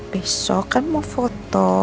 besok kan mau foto